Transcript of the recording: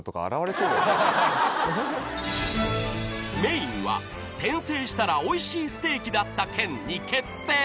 ［メインは転生したら美味しいステーキだった件に決定］